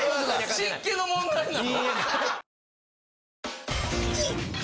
湿気の問題なの！？